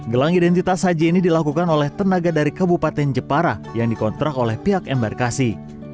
gelang identitas haji ini dilakukan oleh tenaga dari kabupaten jepara yang dikontrak oleh pihak embarkasi